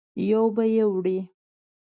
یو به یې وړې.